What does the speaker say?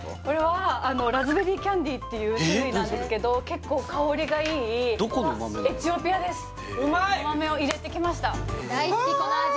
これはラズベリーキャンディっていう種類なんですけど結構香りがいいどこの豆なの？